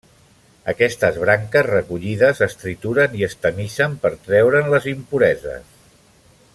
Aquestes branques recollides es trituren i es tamisen per treure'n les impureses.